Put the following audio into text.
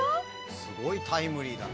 すごいタイムリーだね。